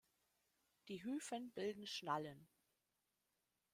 Die Hyphen bilden Schnallen.